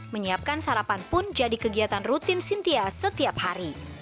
menyiapkan sarapan pun jadi kegiatan rutin sintia setiap hari